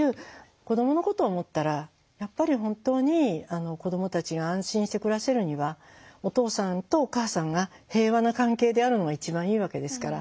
子どものことを思ったらやっぱり本当に子どもたちが安心して暮らせるにはお父さんとお母さんが平和な関係であるのが一番いいわけですから。